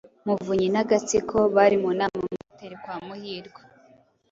Muvunyi n’agatsiko bari mu nama muri Hotel kwa Muhirwa